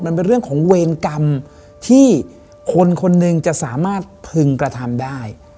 มันเป็นเรื่องของเวรกรรมที่คนคนหนึ่งจะสามารถพึงกระทำได้